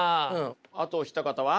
あとお一方は？